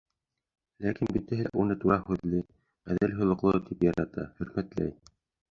Ләкин бөтәһе лә уны тура һүҙле, ғәҙел холоҡло тип ярата, хөрмәтләй.